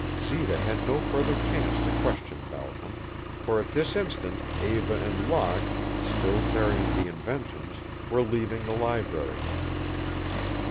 Zita had no further chance to question Balcom, for at this instant Eva and Locke, still carrying the inventions, were leaving the library.